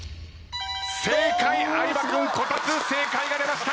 相葉君こたつ正解が出ました。